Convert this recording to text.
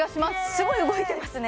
すごい動いてますね